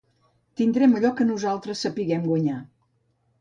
Tindrem allò que nosaltres sapiguem guanyar.